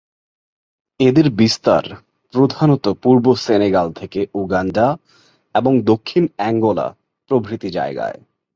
এদের বিস্তার প্রধানত পূর্ব সেনেগাল থেকে উগান্ডা এবং দক্ষিণ অ্যাঙ্গোলা প্রভৃতি জায়গায়।